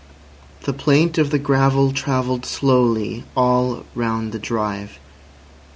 The plaint of the gravel travelled slowly all round the drive.